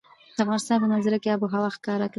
د افغانستان په منظره کې آب وهوا ښکاره ده.